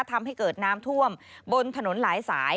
ทำให้เกิดน้ำท่วมบนถนนหลายสาย